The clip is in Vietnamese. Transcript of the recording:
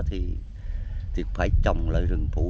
thì phải trồng lại rừng phủ